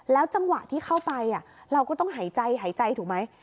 จังหวะที่เข้าไปเราก็ต้องหายใจหายใจถูกไหม